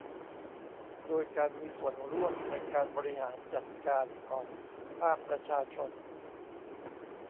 โดยการมีส่วนร่วมในการบริหารจัดการของภาคประชาชน